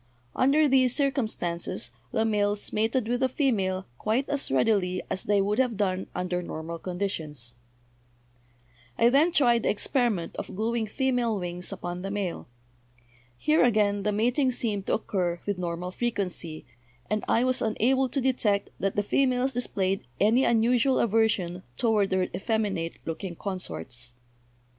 Under these cir cumstances the males mated with the female quite as readily as they would have done under normal condi tions. "I then tried the experiment of gluing female wings upon the male. Here, again, the mating seemed to occur with normal frequency, and I was unable to detect that the females displayed any unusual aversion toward their effeminate looking consorts.